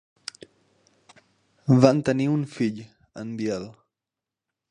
Van tenir un fill, en Biel.